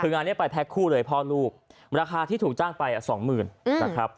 งานนี้ไปแพ็คคู่เลยพ่อลูกราคาที่ถูกจ้างไป๒๐๐๐๐บาท